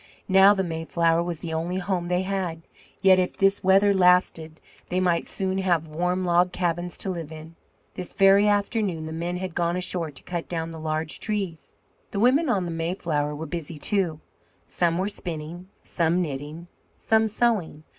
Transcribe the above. Now the Mayflower was the only home they had; yet if this weather lasted they might soon have warm log cabins to live in. This very afternoon the men had gone ashore to cut down the large trees. The women of the Mayflower were busy, too. Some were spinning, some knitting, some sewing.